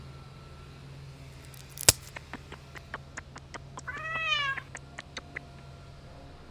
Family hotels are hotels which welcome parents and children.